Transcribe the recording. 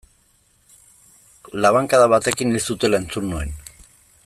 Labankada batekin hil zutela entzun nuen.